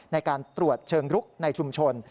ในการตรวจเชิงรุกในชุมชน